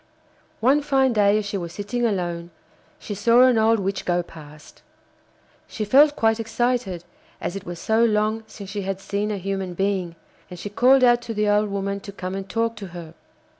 One fine day as she was sitting alone she saw an old witch go past. She felt quite excited, as it was so long since she had seen a human being, and she called out to the old woman to come and talk to her.